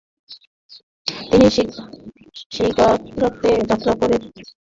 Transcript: তিনি শিগাৎসে যাত্রা করে চিং সেনাবাহিনীকে আত্মসমর্পণ করতে বাধ্য করেন।